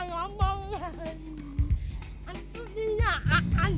lepas itu selalu akan